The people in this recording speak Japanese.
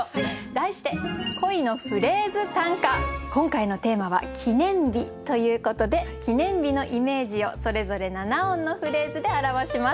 題して今回のテーマは「記念日」ということで記念日のイメージをそれぞれ七音のフレーズで表します。